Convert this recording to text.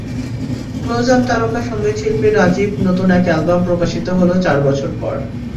Closeup তারকা সংগীতশিল্পী রাজীব নতুন একক অ্যালবাম প্রকাশিত হলো চার বছর পর।